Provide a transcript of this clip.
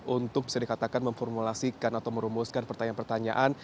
untuk bisa dikatakan memformulasikan atau merumuskan pertanyaan pertanyaan